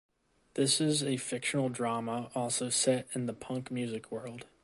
This is a fictional drama also set in the punk music world.